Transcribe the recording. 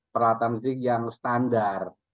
peralatan listrik yang standar